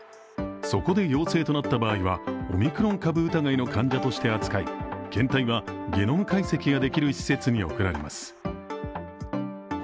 そこで陽性となった場合はオミクロン株疑いの患者として扱い検体はゲノム解析ができる施設に送られます。